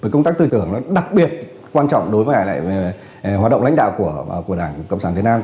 công tác tư tưởng đặc biệt quan trọng đối với lại hoạt động lãnh đạo của đảng cộng sản việt nam